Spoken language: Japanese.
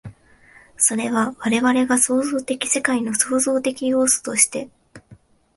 それは我々が創造的世界の創造的要素として、